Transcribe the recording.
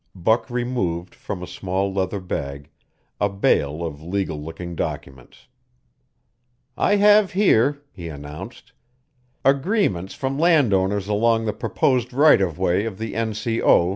Buck removed from a small leather bag a bale of legal looking documents. "I have here," he announced, "agreements from landowners along the proposed right of way of the N. C. O.